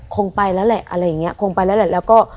คงไปแล้วแหละอะไรอย่างเงี้คงไปแล้วแหละแล้วก็